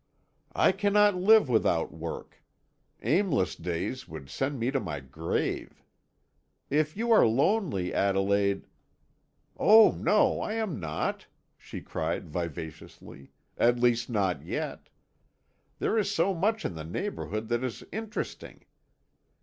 "I cannot live without work; aimless days would send me to my grave. If you are lonely, Adelaide " "Oh, no, I am not," she cried vivaciously, "at least, not yet. There is so much in the neighbourhood that is interesting.